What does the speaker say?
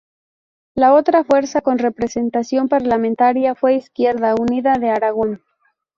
La otra fuerza con representación parlamentaria fue Izquierda Unida de Aragón.